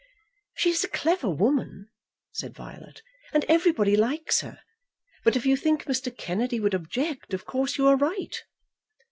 "She is a clever woman," said Violet, "and everybody likes her; but if you think Mr. Kennedy would object, of course you are right."